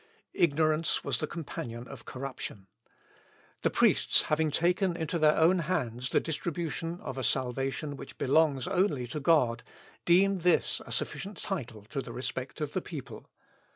Ignorance was the companion of corruption. The priests having taken into their own hands the distribution of a salvation which belongs only to God, deemed this a sufficient title to the respect of the people.